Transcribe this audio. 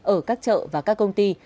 ở các chợ và các công ty